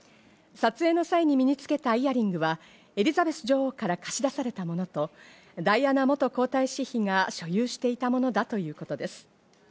撮影の際に身につけたイヤリングは、エリザベス女王から貸し出されたものと、ダイアナ元皇太子妃が所有していたものだということです。